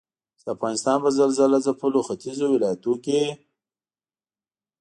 چې د افغانستان په زلزلهځپلو ختيځو ولايتونو کې